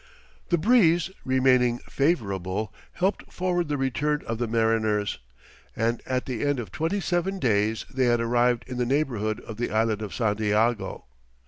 The breeze remaining favourable, helped forward the return of the mariners, and at the end of twenty seven days, they had arrived in the neighbourhood of the Island of Santiago.